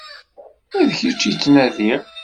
D kečč i ttnadiɣ.